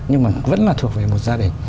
nhưng mà vẫn là thuộc về một gia đình